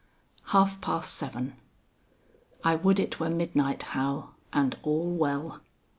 HALF PAST SEVEN. "I would it were midnight, Hal, and all well."